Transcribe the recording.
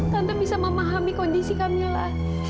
tante bisa memahami kondisi kamila